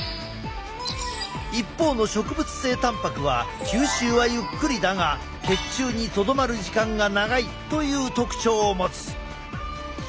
一方の植物性たんぱくは吸収はゆっくりだが血中にとどまる時間が長いという特徴を持つ。